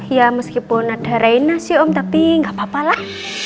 ya meskipun ada rena sih om tapi gak apa apalah